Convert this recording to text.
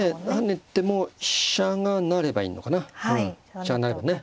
飛車が成ればね。